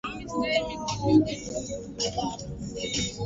Kontrafakt Celeste Buckingham Rytmus Majk Spirit kutoka chini Slovakia